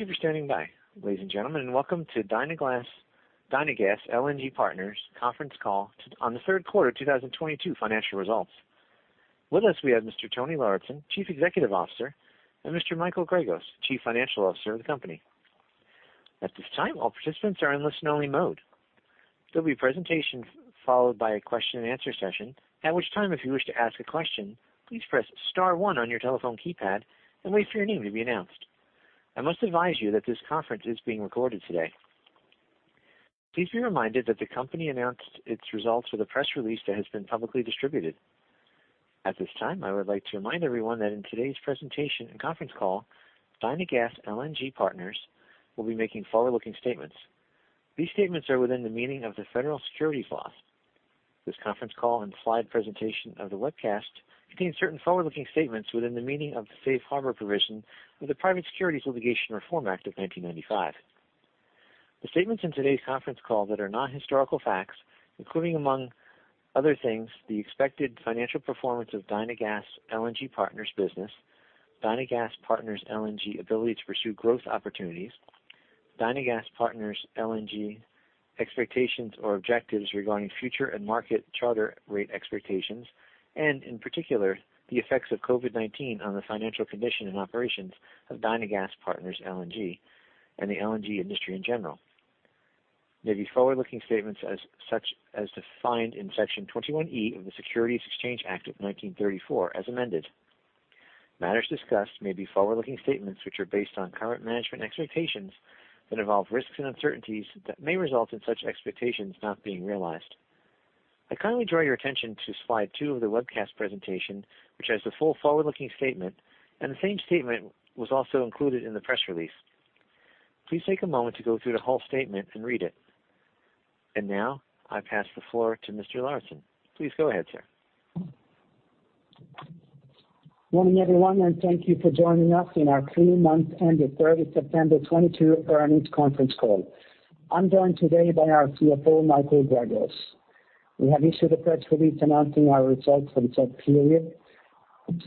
Thank you for standing by, ladies and gentlemen, and welcome to Dynagas LNG Partners conference call on the thir d quarter 2022 financial results. With us we have Mr. Tony Lauritzen, Chief Executive Officer, and Mr. Michael Gregos, Chief Financial Officer of the company. At this time, all participants are in listen-only mode. There'll be a presentation followed by a question-and-answer session, at which time, if you wish to ask a question, please press star one on your telephone keypad and wait for your name to be announced. I must advise you that this conference is being recorded today. Please be reminded that the company announced its results with a press release that has been publicly distributed. At this time, I would like to remind everyone that in today's presentation and conference call, Dynagas LNG Partners will be making forward-looking statements. These statements are within the meaning of the Federal Securities Laws. This conference call and slide presentation of the webcast contains certain forward-looking statements within the meaning of the Safe Harbor provision of the Private Securities Litigation Reform Act of 1995. The statements in today's conference call that are not historical facts, including among other things, the expected financial performance of Dynagas LNG Partners business, Dynagas LNG Partners ability to pursue growth opportunities, Dynagas LNG Partners expectations or objectives regarding future and market charter rate expectations, and in particular, the effects of COVID-19 on the financial condition and operations of Dynagas LNG Partners and the LNG industry in general, may be forward-looking statements as such defined in Section 21E of the Securities Exchange Act of 1934 as amended. Matters discussed may be forward-looking statements which are based on current management expectations that involve risks and uncertainties that may result in such expectations not being realized. I kindly draw your attention to slide two of the webcast presentation, which has the full forward-looking statement. The same statement was also included in the press release. Please take a moment to go through the whole statement and read it. Now I pass the floor to Mr. Lauritzen. Please go ahead, sir. Morning, everyone, thank you for joining us in our 3-month end of 3rd September, 2022 earnings conference call. I'm joined today by our CFO, Michael Gregos. We have issued a press release announcing our results for the said period.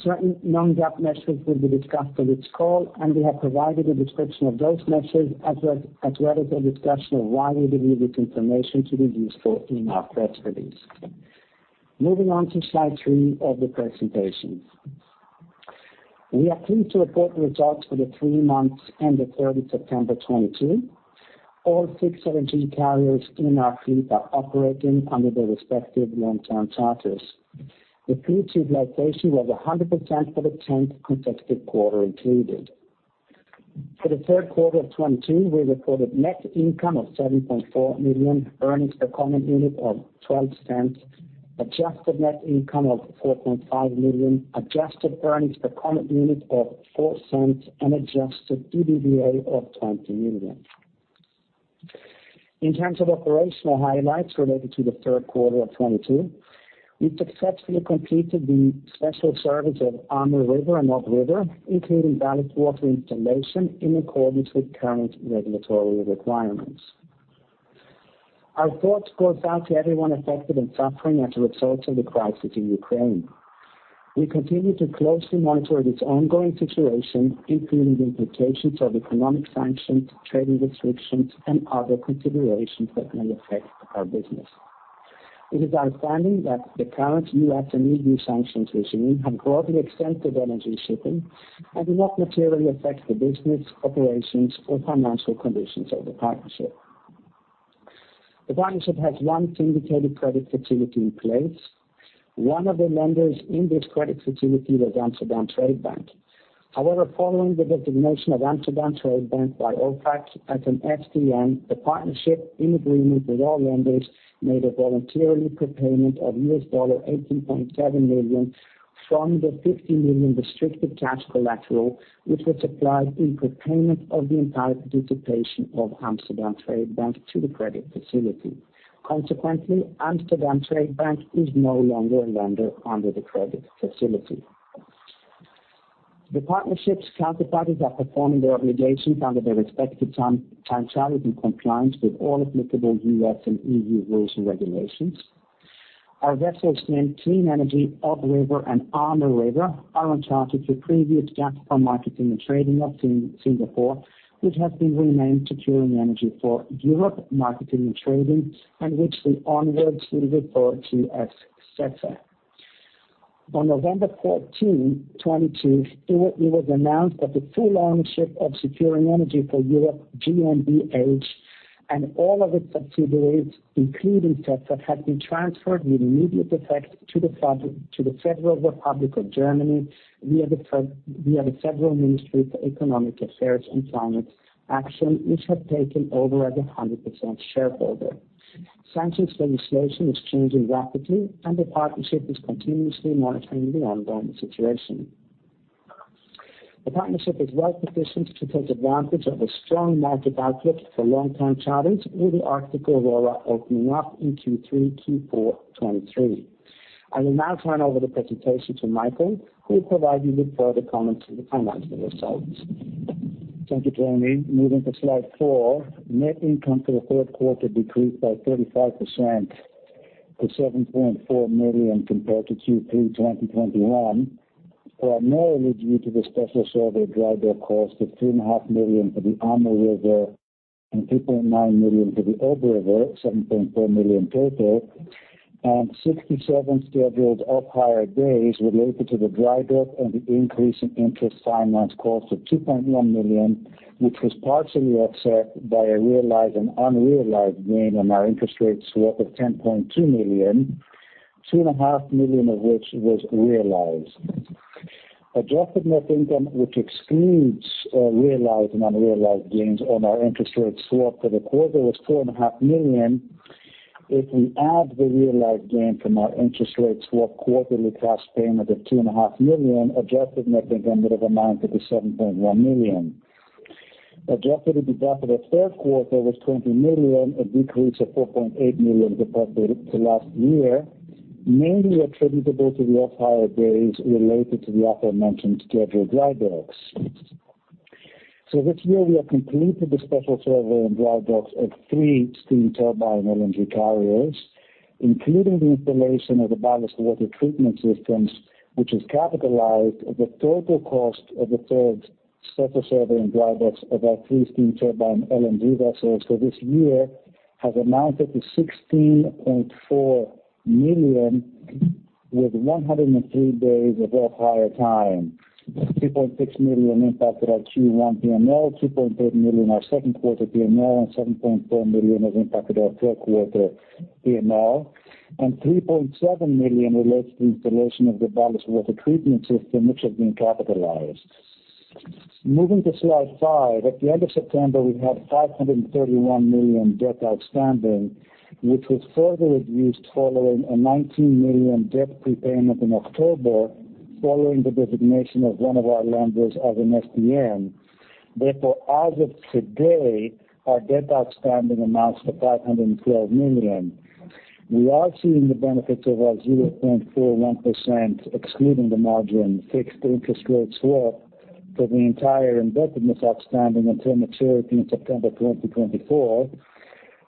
Certain non-GAAP measures will be discussed on this call. We have provided a description of those measures as well as a discussion of why we believe this information to be useful in our press release. Moving on to slide three of the presentation. We are pleased to report results for the three months end of 3rd September, 2022. All six LNG carriers in our fleet are operating under their respective long-term charters. The fleet utilization was 100% for the 10th consecutive quarter included. For the third quarter of 2022, we reported net income of $7.4 million, earnings per common unit of $0.12, adjusted net income of $4.5 million, adjusted earnings per common unit of $0.04 and adjusted EBITDA of $20 million. In terms of operational highlights related to the third quarter of 2022, we successfully completed the special service of Amur River and Ob River, including ballast water installation in accordance with current regulatory requirements. Our thoughts goes out to everyone affected and suffering as a result of the crisis in Ukraine. We continue to closely monitor this ongoing situation, including the implications of economic sanctions, trading restrictions and other considerations that may affect our business. It is our understanding that the current U.S. and E.U. sanctions regime have broadly extended energy shipping and do not materially affect the business, operations or financial conditions of the partnership. The partnership has one syndicated credit facility in place. One of the lenders in this credit facility was Amsterdam Trade Bank. However, following the designation of Amsterdam Trade Bank by OFAC as an SDN, the partnership, in agreement with all lenders, made a voluntary prepayment of $18.7 million from the $50 million restricted cash collateral, which was applied in prepayment of the entire participation of Amsterdam Trade Bank to the credit facility. Consequently, Amsterdam Trade Bank is no longer a lender under the credit facility. The partnership's counterparties are performing their obligations under their respective term charter in compliance with all applicable U.S. and E.U. rules and regulations. Our vessels named Clean Energy, Ob River and Amur River are on charter to Gazprom Marketing and Trading Singapore, which has been renamed Securing Energy for Europe Marketing & Trading, and which the onward through the authority as SEFE. On November 14, 2022, it was announced that the full ownership of Securing Energy for Europe GmbH and all of its subsidiaries, including SEFE, had been transferred with immediate effect to the Federal Republic of Germany via the Federal Ministry for Economic Affairs and Climate Action, which had taken over as a 100% shareholder. Sanctions legislation is changing rapidly, the partnership is continuously monitoring the ongoing situation. The partnership is well-positioned to take advantage of a strong market outlook for long-term charters with the Arctic Aurora opening up in Q3, Q4 2023. I will now turn over the presentation to Michael, who will provide you with further comments on the financial results. Thank you, Tony. Moving to slide four. Net income for the third quarter decreased by 35%. To $7.4 million compared to Q3 2021, primarily due to the special survey drydock cost of $3.5 million for the Amur River and $2.9 million for the Ob River, $7.4 million total. 67 scheduled off-hire days related to the drydock and the increase in interest finance cost of $2.1 million, which was partially offset by a realized and unrealized gain on our interest rate swap of $10.2 million, $2.5 million of which was realized. Adjusted net income, which excludes realized and unrealized gains on our interest rate swap for the quarter, was $4.5 million. If we add the realized gain from our interest rate swap quarterly cash payment of $2.5 million, adjusted net income would have amounted to $7.1 million. Adjusted EBITDA for the third quarter was $20 million, a decrease of $4.8 million compared to last year, mainly attributable to the off-hire days related to the aforementioned scheduled drydocks. This year we have completed the special survey and drydocks of three steam turbine LNG carriers, including the installation of the ballast water treatment systems, which is capitalized at the total cost of the third special survey and drydocks of our three steam turbine LNG vessels for this year has amounted to $16.4 million with 103 days of off-hire time. $3.6 million impacted our Q1 P&L, $2.8 million our second quarter P&L, and $7.4 million has impacted our third quarter P&L. $3.7 million relates to the installation of the ballast water treatment system, which has been capitalized. Moving to slide five. At the end of September, we had $531 million debt outstanding, which was further reduced following a $19 million debt prepayment in October, following the designation of one of our lenders as an SDN. As of today, our debt outstanding amounts to $512 million. We are seeing the benefits of our 0.41%, excluding the margin, fixed interest rate swap for the entire indebtedness outstanding until maturity in September 2024,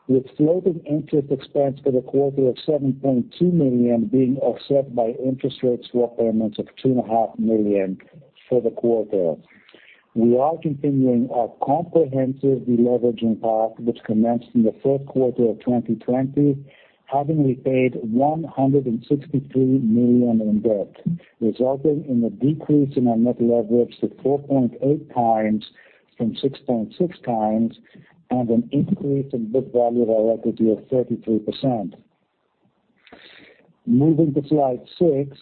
with floating interest expense for the quarter of $7.2 million being offset by interest rate swap payments of $2.5 million for the quarter. We are continuing our comprehensive de-leveraging path, which commenced in the first quarter of 2020, having repaid $163 million in debt, resulting in a decrease in our net leverage to 4.8x from 6.6x and an increase in book value of our equity of 33%. Moving to slide six.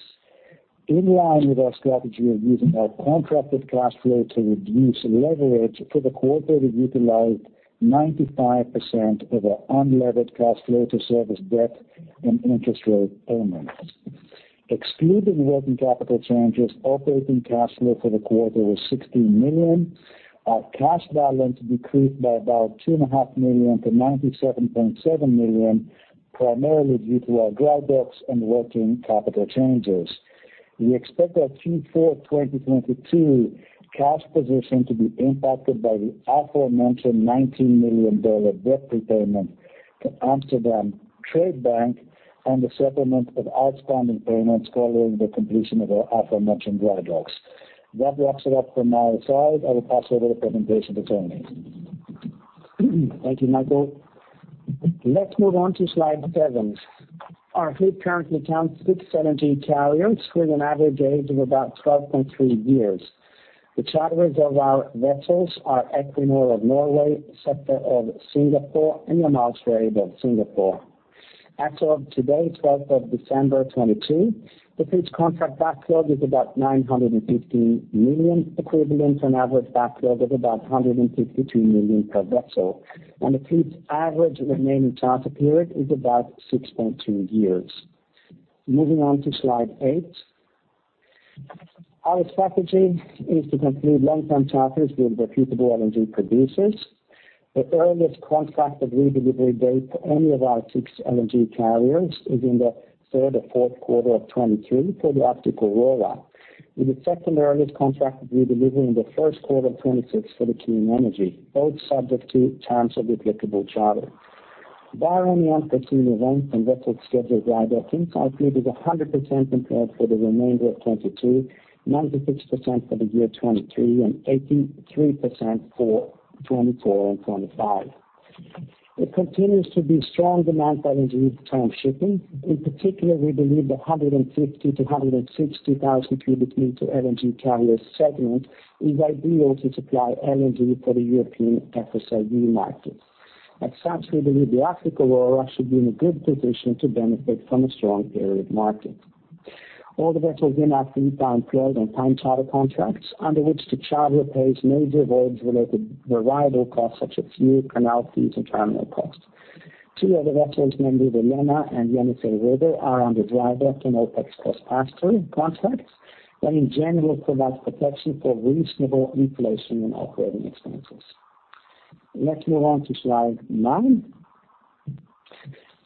In line with our strategy of using our contracted cash flow to reduce leverage for the quarter, we utilized 95% of our unlevered cash flow to service debt and interest rate payments. Excluding working capital changes, operating cash flow for the quarter was $16 million. Our cash balance decreased by about $2.5 million-$97.7 million, primarily due to our drydocks and working capital changes. We expect our Q4 2022 cash position to be impacted by the aforementioned $19 million debt prepayment to Amsterdam Trade Bank and the settlement of outstanding payments following the completion of our aforementioned drydocks. That wraps it up from my side. I will pass over the presentation to Tony. Thank you, Michael. Let's move on to slide seven. Our fleet currently counts six LNG carriers with an average age of about 12.3 years. The charterers of our vessels are Equinor of Norway, SEFE of Singapore, and Yamal Trade of Singapore. As of today, 12 December, 2022, the fleet's contract backlog is about $915 million, equivalent to an average backlog of about $152 million per vessel. The fleet's average remaining charter period is about 6.2 years. Moving on to slide eight. Our strategy is to conclude long-term charters with reputable LNG producers. The earliest contracted redelivery date for any of our six LNG carriers is in the third or fourth quarter of 2023 for the Arctic Aurora, with the second earliest contract redelivery in the first quarter of 2026 for the Clean Energy, both subject to terms of the applicable charter. Barring any unforeseen events and vessel scheduled drydocking, our fleet is 100% employed for the remainder of 2022, 96% for the year 2023, and 83% for 2024 and 2025. There continues to be strong demand for LNG term shipping. In particular, we believe the 150,000-160,000 m3 LNG carrier segment is ideal to supply LNG for the European FSRU market. As such, we believe the Arctic Aurora should be in a good position to benefit from a strong period market. All the vessels in our fleet are employed on time charter contracts under which the charterer pays major voyage-related variable costs such as fuel, canal fees, and terminal costs. Two of the vessels, namely the Lena and Yenisei River, are under drydock and OpEx cost pass-through contracts that in general provide protection for reasonable inflation and operating expenses. Let's move on to slide nine.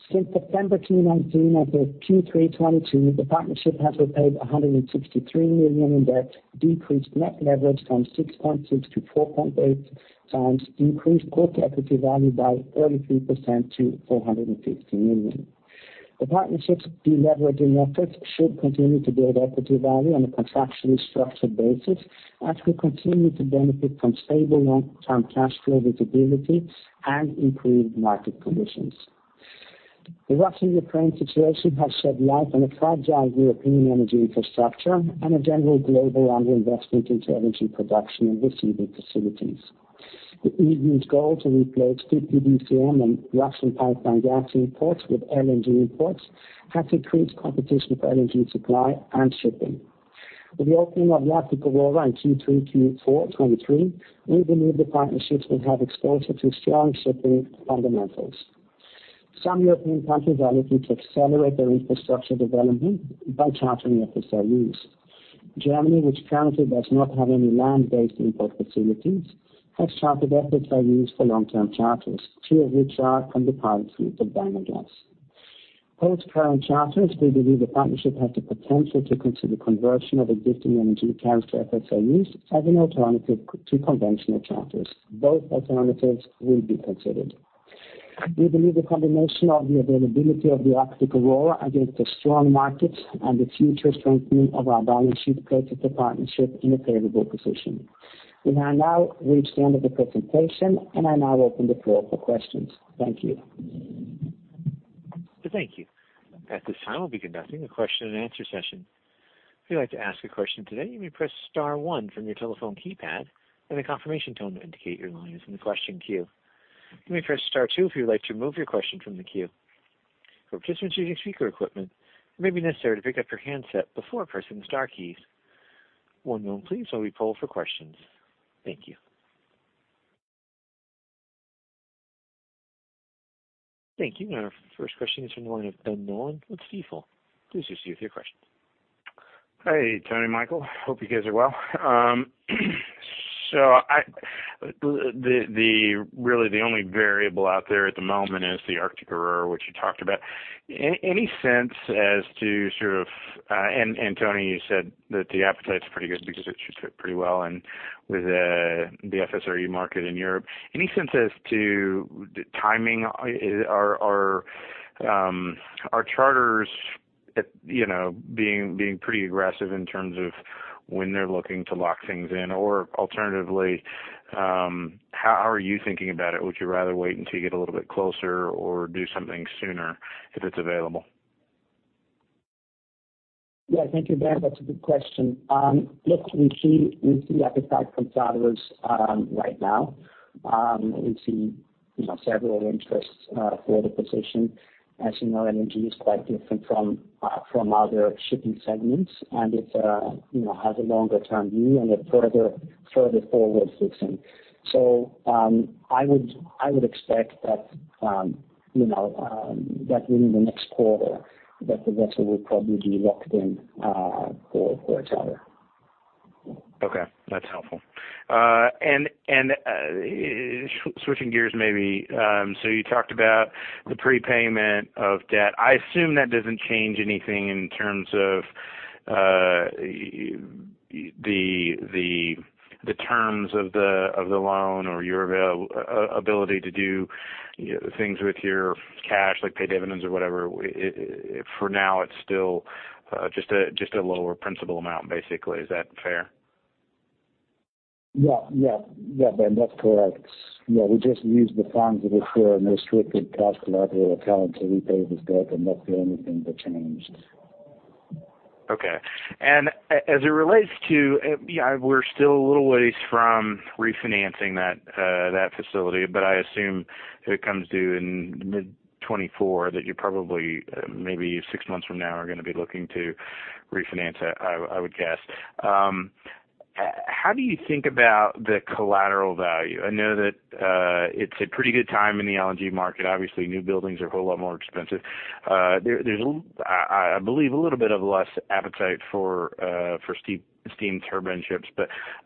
Since September 2019, as of Q3 2022, the partnership has repaid $163 million in debt, decreased net leverage from 6.6-4.8 times, increased core equity value by 33% to $450 million. The partnership's de-leveraging efforts should continue to build equity value on a contractually structured basis as we continue to benefit from stable long-term cash flow visibility and improved market conditions. The Russia-Ukraine situation has shed light on a fragile European energy infrastructure and a general global underinvestment into energy production and receiving facilities. The E.U.'s goal to replace 50 bcm and Russian pipeline gas imports with LNG imports has increased competition for LNG supply and shipping. With the opening of Arctic Aurora in Q2, Q4 2023, we believe the partnerships will have exposure to strong shipping fundamentals. Some European countries are looking to accelerate their infrastructure development by chartering FSRUs. Germany, which currently does not have any land-based import facilities, has charted FSRUs for long-term charters, two of which are from the partner fleet of Diamond Gas. Post current charters, we believe the partnership has the potential to consider conversion of existing LNG carriers to FSRUs as an alternative to conventional charters. Both alternatives will be considered. We believe the combination of the availability of the Arctic Aurora against a strong market and the future strengthening of our balance sheet places the partnership in a favorable position. We have now reached the end of the presentation, and I now open the floor for questions. Thank you. Thank you. At this time, we'll be conducting a question-and-answer session. If you'd like to ask a question today, you may press star one from your telephone keypad, and a confirmation tone to indicate your line is in the question queue. You may press star two if you'd like to remove your question from the queue. For participants using speaker equipment, it may be necessary to pick up your handset before pressing the star keys. One moment, please, while we poll for questions. Thank you. Thank you. Our first question is from the line of Ben Nolan with Stifel. Please proceed with your question. Hey, Tony, Michael. Hope you guys are well. The really the only variable out there at the moment is the Arctic Aurora, which you talked about. And Tony, you said that the appetite is pretty good because it should fit pretty well and with the FSRU market in Europe. Any sense as to the timing? Are charters at, you know, being pretty aggressive in terms of when they're looking to lock things in? Alternatively, how are you thinking about it? Would you rather wait until you get a little bit closer or do something sooner if it's available? Yeah, thank you, Ben. That's a good question. look, we see appetite from charters right now. we see, you know, several interests for the position. As you know, energy is quite different from from other shipping segments, and it, you know, has a longer-term view and a further forward fixing. I would expect that, you know, that within the next quarter that the vessel will probably be locked in for a charter. Okay, that's helpful. Switching gears maybe. You talked about the prepayment of debt. I assume that doesn't change anything in terms of the terms of the loan or your ability to do things with your cash, like pay dividends or whatever. For now, it's still a lower principal amount, basically. Is that fair? Yeah, Ben, that's correct. Yeah, we just used the funds that were for a more strict cost collateral account to repay this debt, not anything that changed. Okay. As it relates to, yeah, we're still a little ways from refinancing that facility, but I assume if it comes due in mid-2024 that you probably, maybe six months from now are gonna be looking to refinance that, I would guess. How do you think about the collateral value? I know that, it's a pretty good time in the LNG market. Obviously, new buildings are a whole lot more expensive. There's I believe a little bit of less appetite for steam turbine ships.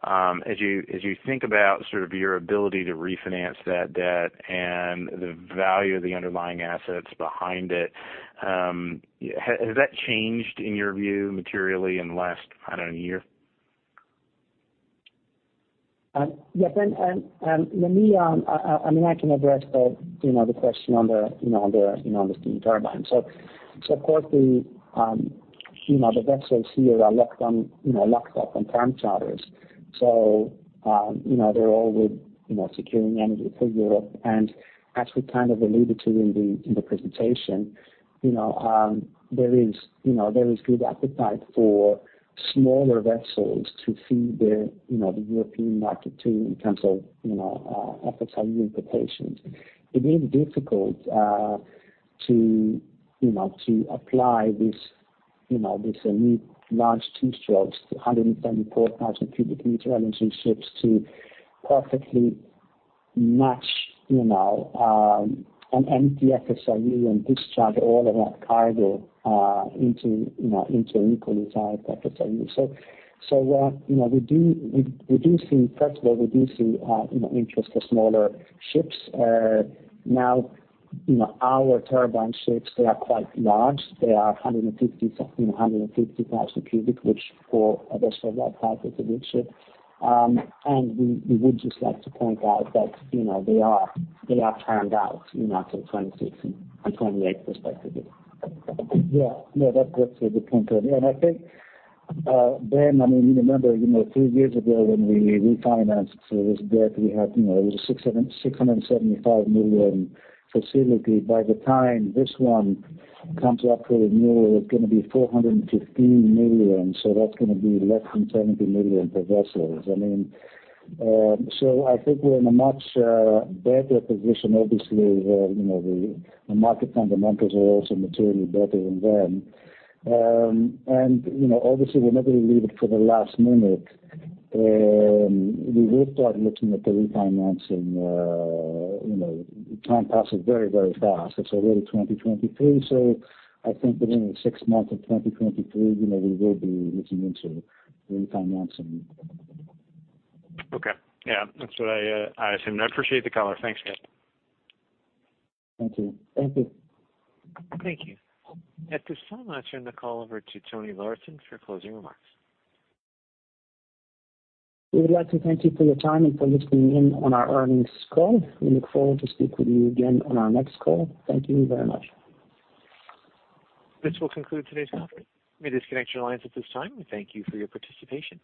As you think about sort of your ability to refinance that debt and the value of the underlying assets behind it, has that changed in your view materially in the last, I don't know, year? Yes, Ben. Let me, I mean, I can address the, you know, the question on the, you know, on the, you know, on the steam turbine. Of course the, you know, the vessels here are locked up on term charters. They're all with, you know, Securing Energy for Europe. As we kind of alluded to in the presentation, you know, there is, you know, there is good appetite for smaller vessels to feed the, you know, the European market too in terms of, you know, FSRU importations. It is difficult, to, you know, to apply this, you know, this unique large two-strokes, the 174,000 m3 LNG ships to perfectly match, you know, an empty FSRU and discharge all of that cargo, into, you know, into an equally sized FSRU. You know, first of all, we do see, you know, interest for smaller ships. Now, you know, our turbine ships, they are quite large. They are 150,000 cubic, which for a vessel of that type is a good ship. We would just like to point out that, you know, they are timed out, you know, till 2026 and 2028 respectively. That's a good point, Tony. I think, Ben, I mean, you remember, you know, three years ago when we refinanced this debt, we had, you know, it was a $675 million facility. By the time this one comes up for renewal, it's gonna be $415 million, so that's gonna be less than $20 million per vessels. I mean, so I think we're in a much better position. Obviously, the, you know, the market fundamentals are also materially better than then. You know, obviously, we never leave it for the last minute. We will start looking at the refinancing. You know, time passes very, very fast. It's already 2023, so I think within the six months of 2023, you know, we will be looking into refinancing. Okay. Yeah. That's what I assumed. I appreciate the color. Thanks, guys. Thank you. Thank you. At this time, I'll turn the call over to Tony Lauritzen for closing remarks. We would like to thank you for your time and for listening in on our earnings call. We look forward to speak with you again on our next call. Thank you very much. This will conclude today's conference. You may disconnect your lines at this time. We thank you for your participation.